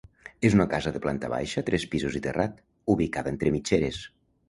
És una casa de planta baixa, tres pisos i terrat, ubicada entre mitgeres.